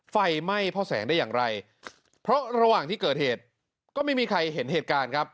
ไฟไหม้พ่อแสงได้อย่างไรเพราะระหว่างที่เกิดเหตุก็ไม่มีใครเห็นเหตุการณ์ครับ